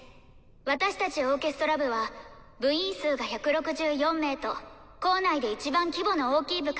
私たちオーケストラ部は部員数が１６４名と校内でいちばん規模の大きい部活です。